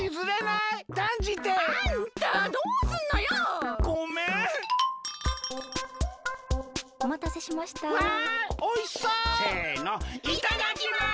いただきます。